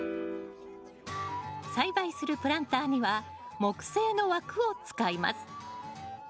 栽培するプランターには木製の枠を使います。